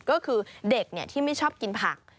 ก็คือเด็กที่ไม่ชอบกินผัก